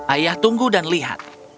ayah tunggu dan lihat